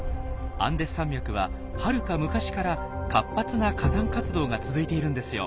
アンデス山脈ははるか昔から活発な火山活動が続いているんですよ。